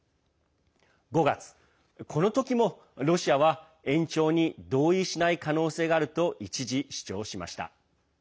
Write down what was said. ５月、この時もロシアは延長に同意しない可能性があると一時、主張しました。